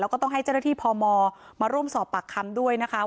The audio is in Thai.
แล้วก็ต้องให้เจ้าหน้าที่พมมาร่วมสอบปากคำด้วยนะคะ